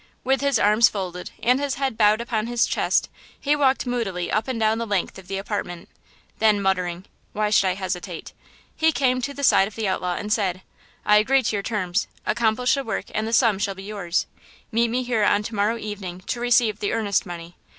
With his arms folded and his head bowed upon his chest he walked moodily up and down the length of the apartment. Then muttering, "Why should I hesitate?" he came to the side of the outlaw and said: "I agree to your terms–accomplish the work and the sum shall be yours. Meet me here on to morrow evening to receive the earnest money.